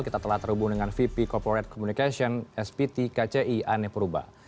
kita telah terhubung dengan vp corporate communication spt kci ane purba